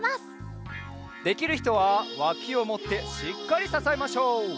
できるひとはわきをもってしっかりささえましょう。